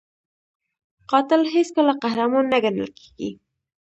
قاتل هیڅکله قهرمان نه ګڼل کېږي